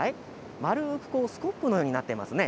丸くスコップのようになってますね。